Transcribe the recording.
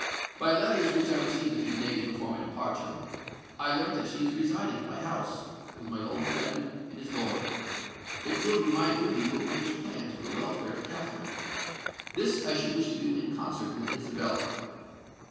By letters which I received a few days before my departure, I learnt that she is residing at my house, with my old friend and his daughter. It will be my duty to arrange plans for the welfare of Katherine. This I should wish to do in concert with Isabella.